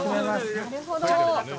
なるほど。